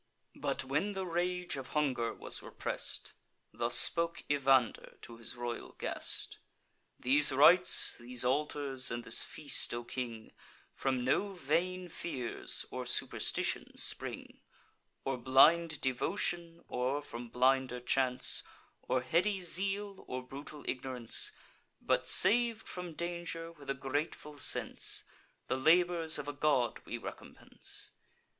But when the rage of hunger was repress'd, Thus spoke Evander to his royal guest: "These rites, these altars, and this feast, O king, From no vain fears or superstition spring, Or blind devotion, or from blinder chance, Or heady zeal, or brutal ignorance; But, sav'd from danger, with a grateful sense, The labours of a god we recompense.